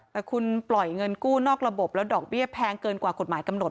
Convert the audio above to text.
แต่คุณปล่อยเงินกู้นอกระบบแล้วดอกเบี้ยแพงเกินกว่ากฎหมายกำหนด